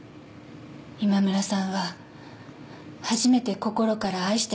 今村さんは初めて心から愛した人でした。